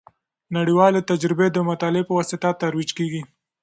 نړیوالې تجربې د مطالعې په واسطه ترویج کیږي.